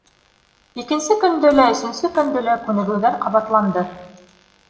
Икенсе көндө лә, өсөнсө көндө лә күнегеүҙәр ҡабатланды.